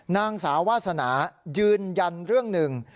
นางสาววาสนายืนยันเรื่องหนึ่ง